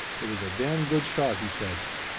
"It was a damn good shot," he said.